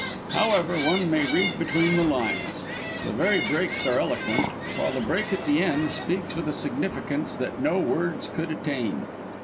However, one may read between the lines; the very breaks are eloquent, while the break at the end speaks with a significance that no words could attain.